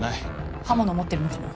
刃物持ってるのかも。